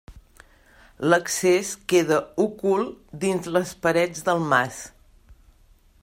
L'accés queda ocult dins les parets del mas.